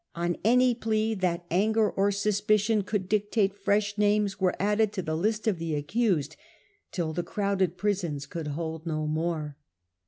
On any plea that anger or suspicion could dictate fresh names were added to the list of the accused, till the crowded prisons could hold no more.